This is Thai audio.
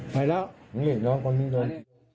ไปแล้วนี่น้องคนนี้โดน